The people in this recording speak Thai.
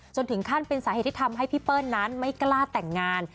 จนถึงขั้นเป็นสาเหตุที่ทำให้พี่เปิ้ลนั้นไม่กล้าแต่งงาน